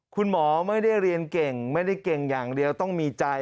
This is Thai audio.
คุณหมอไม่ได้เรียนเก่งไม่ได้เก่งอย่างเดียวต้องมีใจ